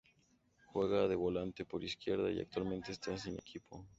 Juega de volante por izquierda y actualmente está sin equipo.